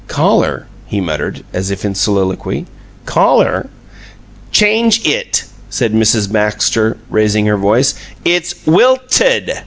"Collar," he muttered, as if in soliloquy. "Collar." "Change it!" said Mrs. Baxter, raising her voice. "It's WILTED."